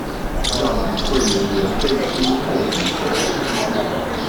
讓與會人員背書或舉手